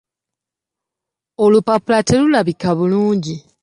Olupapula terulabika bulungi.